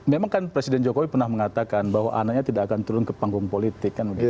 memang kan presiden jokowi pernah mengatakan bahwa anaknya tidak akan turun ke panggung politik